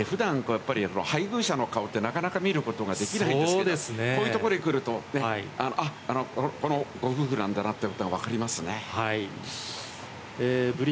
普段、配偶者の顔ってなかなか見ることができないですけれども、こういうところに来るとご夫婦なんだなということがわかりますね。